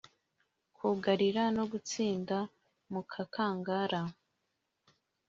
kugarira no gutsinda mu gakangara